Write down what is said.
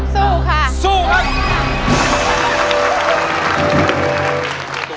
สู้ค่ะสู้ครับ